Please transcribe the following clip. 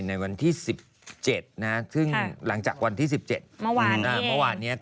ในวันที่๑๗